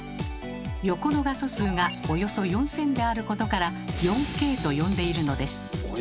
横の画素数がおよそ４，０００であることから「４Ｋ」と呼んでいるのです。